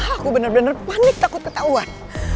aku bener bener panik takut ketahuan